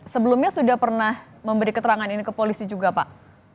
sebelumnya sudah pernah memberi keterangan ini ke polisi juga pak